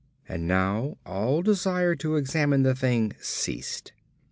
And now all desire to examine the thing ceased.